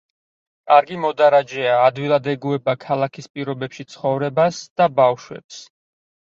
კარგი მოდარაჯეა, ადვილად ეგუება ქალაქის პირობებში ცხოვრებას და ბავშვებს.